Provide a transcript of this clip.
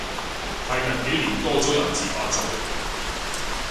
係近幾年多咗人自發做